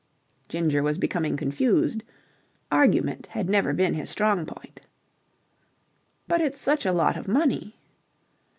Ginger was becoming confused. Argument had never been his strong point. "But it's such a lot of money."